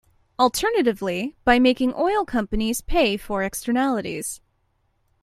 Alternatively, by making oil companies pay for externalities.